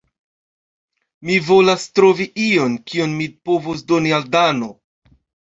Mi volas trovi ion, kion mi povos doni al Dano.